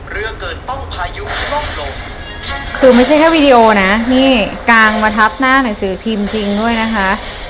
เรื่องเกินต้องพายุก็ต้องลงคือไม่ใช่แค่วีดีโอนะนี่กางมาทับหน้าหนังสือพิมพ์จริงด้วยนะคะ